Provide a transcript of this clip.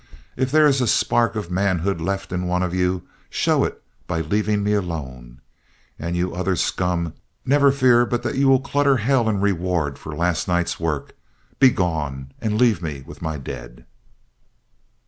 If there is a spark of manhood left in one of you, show it by leaving me alone! And you other scum, never fear but that you will clutter hell in reward for last night's work. Begone, and leave me with my dead!'"